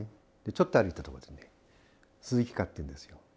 ちょっと歩いたとこで、鈴木かって言うんですよ。